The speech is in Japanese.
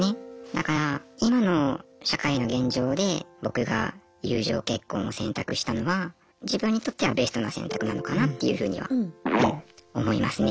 だから今の社会の現状で僕が友情結婚を選択したのは自分にとってはベストな選択なのかなっていうふうには思いますね。